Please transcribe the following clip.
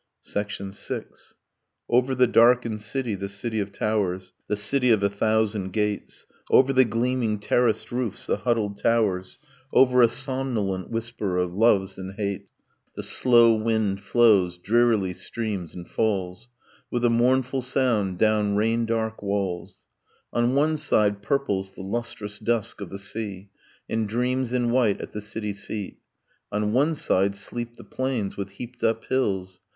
VI. Over the darkened city, the city of towers, The city of a thousand gates, Over the gleaming terraced roofs, the huddled towers, Over a somnolent whisper of loves and hates, The slow wind flows, drearily streams and falls, With a mournful sound down rain dark walls. On one side purples the lustrous dusk of the sea, And dreams in white at the city's feet; On one side sleep the plains, with heaped up hills.